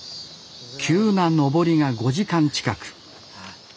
急な登りが５時間近く。